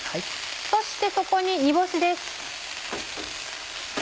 そしてそこに煮干しです。